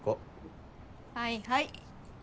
はいはい。